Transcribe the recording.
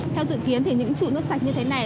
theo dự kiến những trụ nước sạch như thế này